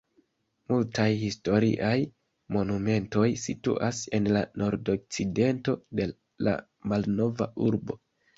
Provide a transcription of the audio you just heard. Multaj historiaj monumentoj situas en la nordokcidento de la malnova urbo.